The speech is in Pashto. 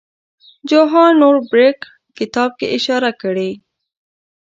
جوهان نوربیرګ کتاب کې اشاره کړې.